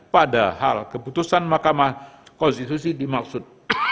padahal keputusan mahkamah konstitusi dimaksud